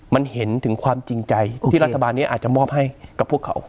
มันเห็นถึงความจริงใจที่รัฐบาลนี้อาจจะมอบให้กับพวกเขา